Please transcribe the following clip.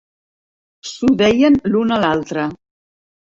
S'ho deien l'un a l'altre.